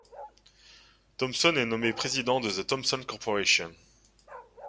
Thomson est nommé président de The Thomson Corporation.